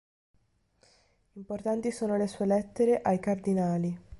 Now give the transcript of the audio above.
Importanti sono le sue "Lettere ai Cardinali".